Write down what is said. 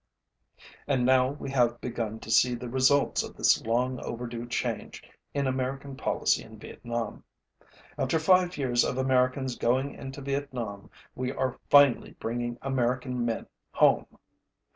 And now we have begun to see the results of this long overdue change in American policy in Vietnam. After five years of Americans going into Vietnam we are finally bringing American men home.